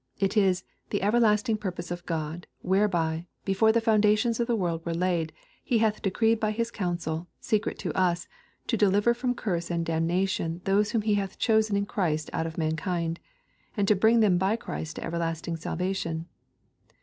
It is " the everlasting purpose of God, whereby, before the foundations of the world were laid, He hath decreed by His counsel, secret to us, to deliver from curse and damnation those whom He hath chosen in Christ out of mankind, and to bring them by Christ to everlasting salvation."